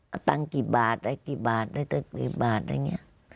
เอาตังค์กี่บาทอะไรกี่บาทอะไรเงี้ย